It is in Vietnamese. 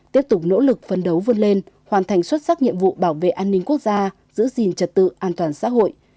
tiếp tục nỗ lực phân đấu vươn lên hoàn thành xuất sắc nhiệm vụ bảo vệ an ninh quốc gia giữ gìn trật tự an toàn xã hội